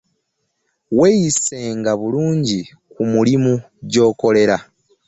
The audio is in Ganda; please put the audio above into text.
weeyisanga bulungi ku mulimu gyokolera.